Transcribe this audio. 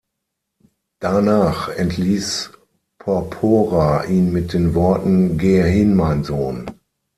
Danach entließ Porpora ihn mit den Worten: "„Gehe hin, mein Sohn.